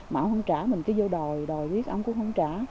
mà ông không trả mình cứ vô đòi đòi viết ông cũng không trả